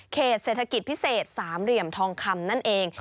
เศรษฐกิจพิเศษสามเหลี่ยมทองคำนั่นเอง